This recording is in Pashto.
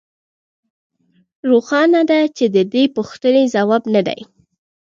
روښانه ده چې د دې پوښتنې ځواب نه دی